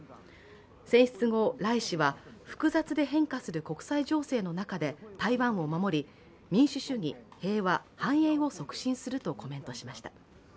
選出後、頼氏は複雑で変化する国際情勢の中で台湾を守り民主主義、平和、繁栄を促進するとコメントしました。